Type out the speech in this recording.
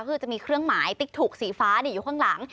ก็คือจะมีเครื่องหมายติ๊กถูกสีฟ้าอยู่ข้างหลัง